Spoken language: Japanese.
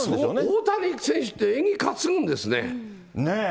大谷選手って、縁起担ぐんですね。